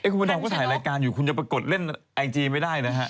คุณประดอมก็ถ่ายรายการอยู่คุณจะปรากฏเล่นไอจีไม่ได้นะฮะ